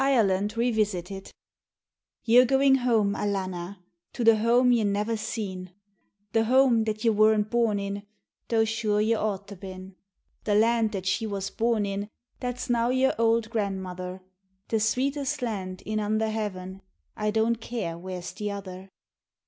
3relanfc IRevnsltef* Y OU'RE goin' home, alanna, to the home y' never seen, The home that y' weren't born in, though sure y' ought to been ; The land that she was born in that's now your old grandmother, The sweetest land in undher heaven, I don't care where's the other.